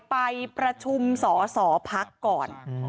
ไปประชุมสสพก่อน